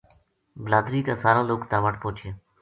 بلادری کا سارا لوک تابٹ پوہچیا۔